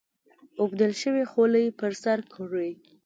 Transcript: اوبدل شوې خولۍ پر سر کړي.